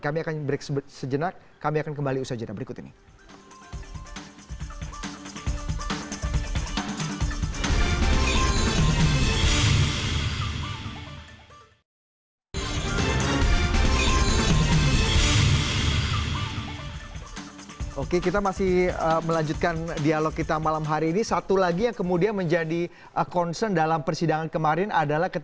kami akan beriksa sejenak